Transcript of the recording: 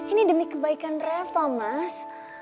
ini demi kebaikan reva mas